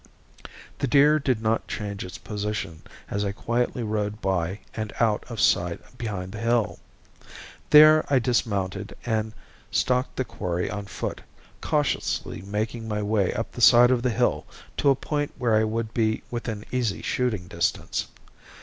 The deer did not change its position as I quietly rode by and out of sight behind the hill. There I dismounted and stalked the quarry on foot, cautiously making my way up the side of the hill to a point where I would be within easy shooting distance.